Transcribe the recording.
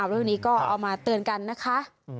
เรื่องนี้ก็เอามาเตือนกันนะคะ